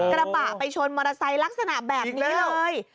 กระบะไปชนมอเตอร์ไซค์ลักษณะแบบนี้เลย